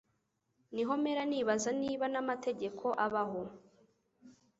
niho mpera nibaza niba n'amategeko abaho